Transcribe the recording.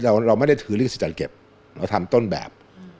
เราไม่ได้ถือลิสจัดเก็บเราทำต้นแบบ